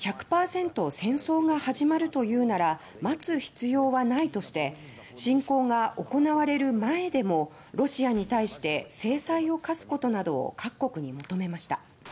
「１００％、戦争が始まると言うなら待つ必要はない」として侵攻が行われる前でもロシアに対して制裁を科すことなどを各国に求めました。